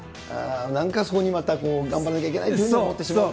なんかそこにまた頑張んなきゃいけないというふうに思ってしまう。